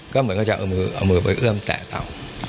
ก็เหมือนกันจะเอามือไปเอื้อมแตะเตา